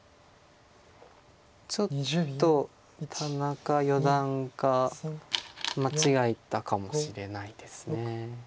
ちょっと田中四段が間違えたかもしれないです。